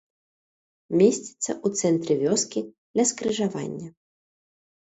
Месціцца ў цэнтры вёскі, ля скрыжавання.